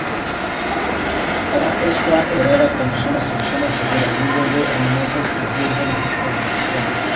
Atahualpa es considerada como zona segura, libre de amenazas y riesgos naturales extremos.